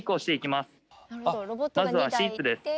まずはシーツです。